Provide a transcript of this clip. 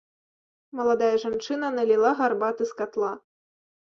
Маладая жанчына наліла гарбаты з катла.